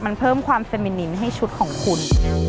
มันเพิ่มความสมินินให้ชุดของคุณ